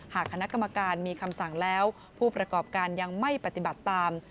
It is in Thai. หากคณะกรรมการมีคำสั่งแล้วผู้ประกอบการยังไม่ปฏิบัติตาม